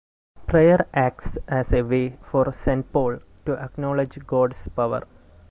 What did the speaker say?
Prayer acts as a way for Saint Paul to acknowledge God's power.